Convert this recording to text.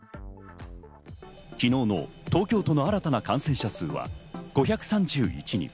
昨日の東京都の新たな感染者数は５３１人。